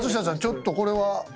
ちょっとこれは。